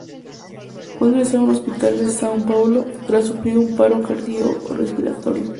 Fue ingresado en un hospital de São Paulo, tras sufrir un paro cardiorrespiratorio.